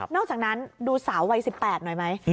อกจากนั้นดูสาววัย๑๘หน่อยไหม